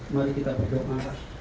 mari kita berdoa